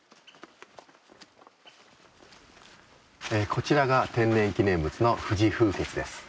こちらが天然記念物の富士風穴です。